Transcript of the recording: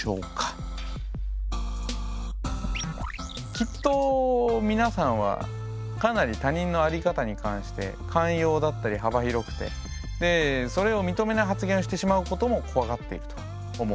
きっと皆さんはかなり他人の在り方に関して寛容だったり幅広くてでそれを認めない発言をしてしまうことも怖がっていると思うんです。